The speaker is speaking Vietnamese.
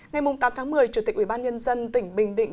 ngày tám tháng một mươi chủ tịch ubnd tỉnh bình định